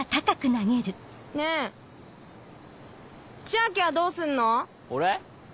ねぇ千昭はどうすんの？